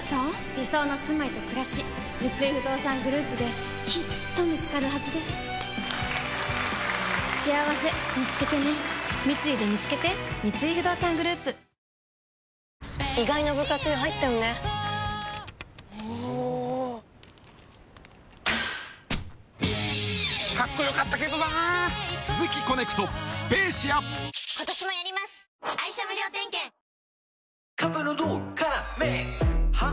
理想のすまいとくらし三井不動産グループできっと見つかるはずですしあわせみつけてね三井でみつけてカップヌードル辛麺は？